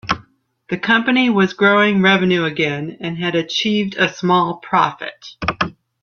The company was growing revenue again and had achieved a small profit.